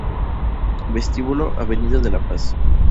Vestíbulo Avenida de la Paz